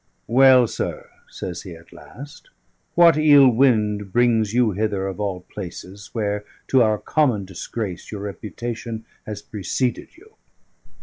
"Well, sir," says he at last, "what ill wind brings you hither of all places, where (to our common disgrace) your reputation has preceded you?"